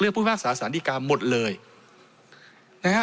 เลือกประธานาธิบดีคนเดียวเลยครับ